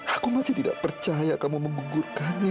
aku masih tidak percaya kamu menggugurkannya